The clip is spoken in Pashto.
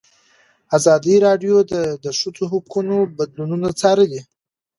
ازادي راډیو د د ښځو حقونه بدلونونه څارلي.